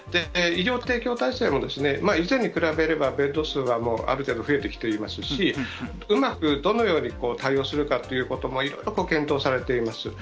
医療提供体制もですね、以前に比べればベッド数がある程度、増えてきていますし、うまくどのように対応するかということもいろいろ検討されています。